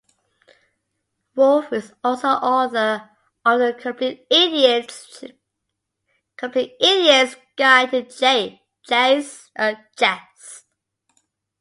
Wolff is also the author of the "Complete Idiot's Guide to Chess".